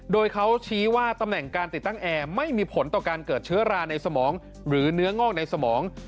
โดยเขาชี้ว่าตำแหน่งการติดตั้งแอร์ไม่มีผลต่อการเกิดเชื้อราในสมองหรือเนื้องอกในสมอง